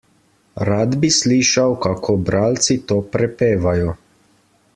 Rad bi slišal, kako bralci to prepevajo.